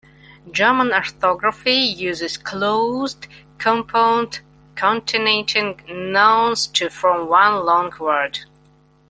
German orthography uses "closed" compounds, concatenating nouns to form one long word.